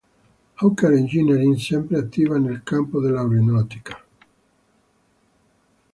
Hawker Engineering, sempre attiva nel campo dell'aeronautica.